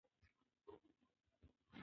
زه د نینې شوي وریجو خواږه خوړم.